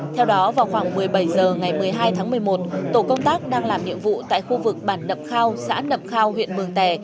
theo đó vào khoảng một mươi bảy h ngày một mươi hai tháng một mươi một tổ công tác đang làm nhiệm vụ tại khu vực bản nậm khao xã nậm khao huyện mường tè